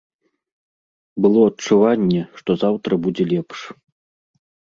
Было адчуванне, што заўтра будзе лепш.